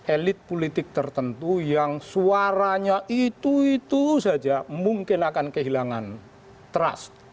elit politik tertentu yang suaranya itu itu saja mungkin akan kehilangan trust